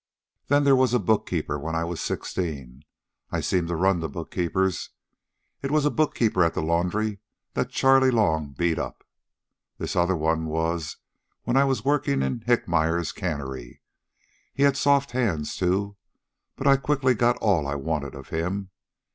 "Then there was a bookkeeper when I was sixteen. I seem to run to bookkeepers. It was a bookkeeper at the laundry that Charley Long beat up. This other one was when I was working in Hickmeyer's Cannery. He had soft hands, too. But I quickly got all I wanted of him.